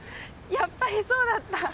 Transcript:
やっぱりそうだった。